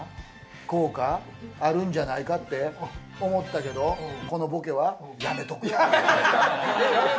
効果あるんじゃないかって思ったけれども、このボケはやめとくよ。